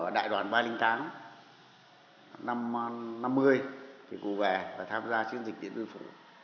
tại đoàn ba trăm linh tám năm năm mươi thì cụ về và tham gia chiến dịch điện tư phủ